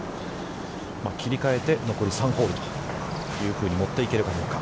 切りかえて残り３ホールというふうに持っていけるかどうか。